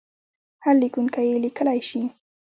هر لیکونکی یې لیکلای شي.